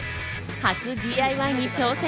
初ＤＩＹに挑戦。